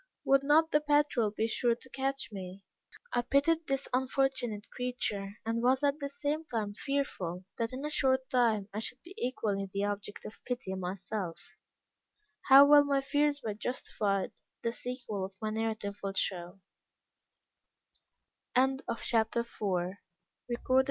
would not the patrol be sure to catch me?" I pitied this unfortunate creature, and was at the same time fearful that, in a short time, I should be equally the object of pity myself. How well my fears were justified the sequel of my narrative will show.